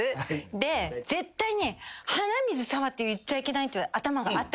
で絶対にハナミズサワって言っちゃいけないっていう頭があったんです。